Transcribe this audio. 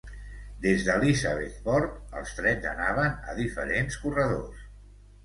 Des d'Elizabethport, els trens anaven a diferents corredors.